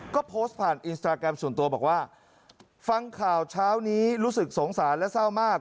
ก็โพสต์ผ่านอินสตราแกรมส่วนตัวบอกว่าฟังข่าวเช้านี้รู้สึกสงสารและเศร้ามาก